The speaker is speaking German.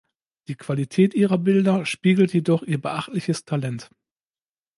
Die Qualität ihrer Bilder spiegelt jedoch ihr beachtliches Talent.